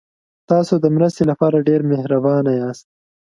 تاسو د مرستې لپاره ډېر مهربانه یاست.